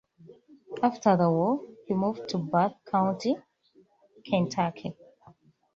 After the war, he moved to Bath County, Kentucky.